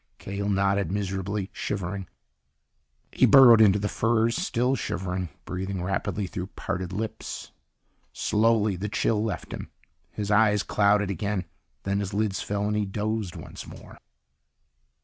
Cahill nodded miserably, shivering. He burrowed into the furs, still shivering, breathing rapidly through parted lips. Slowly the chill left him. His eyes clouded again. Then his lids fell, and he dozed once more.